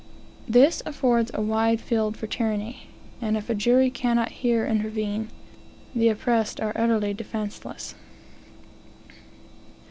This affords a wide field for tyranny; and, if a jury cannot here intervene, the oppressed are utterly defenceless.